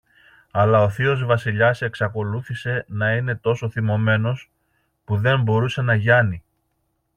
Αλλά ο θείος Βασιλιάς εξακολουθούσε να είναι τόσο θυμωμένος, που δεν μπορούσε να γιάνει.